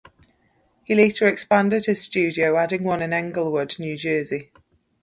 He later expanded his studio, adding one in Englewood, New Jersey.